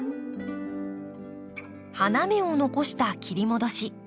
花芽を残した切り戻し。